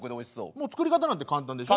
もう作り方なんて簡単でしょ。